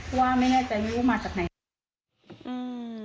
กลัวไม่แน่ใจว่ามาจากไหน